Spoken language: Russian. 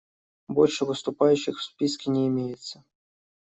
Больше выступающих в списке не имеется.